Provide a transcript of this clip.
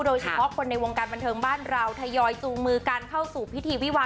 โดยเฉพาะคนในวงการบันเทิงบ้านเราทยอยจูงมือกันเข้าสู่พิธีวิวา